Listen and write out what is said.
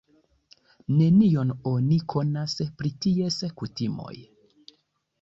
Nenion oni konas pri ties kutimoj.